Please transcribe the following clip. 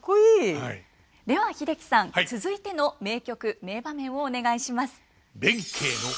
では英樹さん続いての名曲名場面をお願いします。